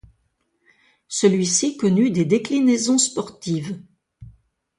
Celui-ci connut des déclinaisons sportives.